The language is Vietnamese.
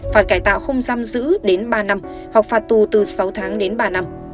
phạt cải tạo không giam giữ đến ba năm hoặc phạt tù từ sáu tháng đến ba năm